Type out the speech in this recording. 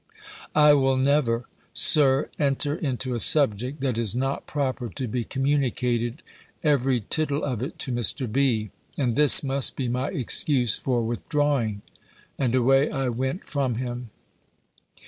"I will never. Sir, enter into a subject that is not proper to be communicated every tittle of it to Mr. B.; and this must be my excuse for withdrawing." And away I went from him.